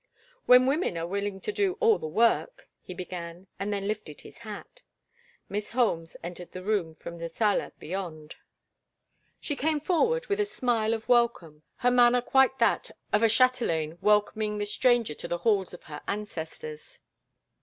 "When women are willing to do all the work—" he began, and then lifted his hat. Miss Holmes entered the room from the sala beyond. She came forward with a smile of welcome, her manner quite that of a chatelaine welcoming the stranger to the halls of her ancestors.